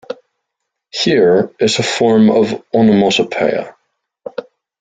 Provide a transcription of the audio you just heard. Here it a form of onomatopeia.